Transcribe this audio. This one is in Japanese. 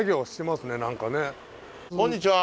こんにちは。